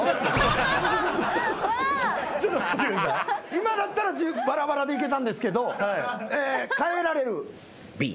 今だったらバラバラでいけたんですけど変えられる？